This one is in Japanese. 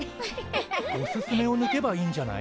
「おすすめ」をぬけばいいんじゃない？